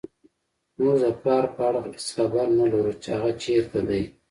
موږ د پلار په اړه هېڅ خبر نه لرو چې هغه چېرته دی